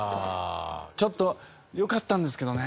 ちょっと良かったんですけどね。